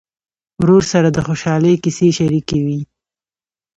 ورور سره د خوشحالۍ کیسې شريکې وي.